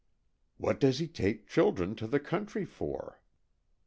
"What does he take children to the country for?"